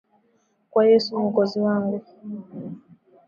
Kwa Yesu, Mwokozi wangu.